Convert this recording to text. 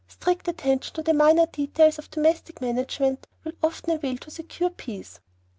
Strict attention to the minor details of domestic management will often avail to secure peace."